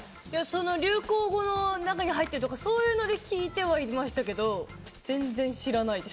流行語の中に入ってるとか、そういう意味では聞いてましたけど全然知らないです。